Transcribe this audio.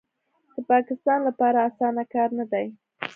د پاکستان لپاره اسانه کار نه دی